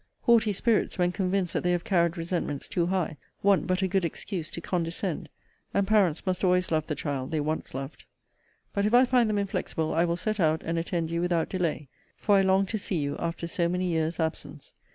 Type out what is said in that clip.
Haughty spirits, when convinced that they have carried resentments too high, want but a good excuse to condescend: and parents must always love the child they once loved. But if I find them inflexible, I will set out, and attend you without delay; for I long to see you, after so many years' absence.